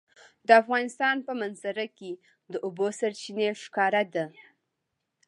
د افغانستان په منظره کې د اوبو سرچینې ښکاره ده.